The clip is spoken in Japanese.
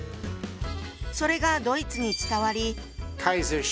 それがドイツに伝わり。